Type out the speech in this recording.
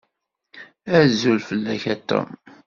Azul fell-ak a Tom.